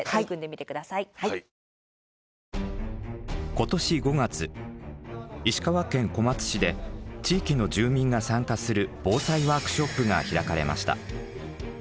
今年５月石川県小松市で地域の住民が参加する防災ワークショップが開かれました。